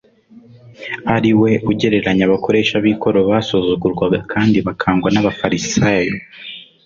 ari we ugereranya abakoresha b’ikoro basuzugurwaga kandi bakangwa n’abafarisayo.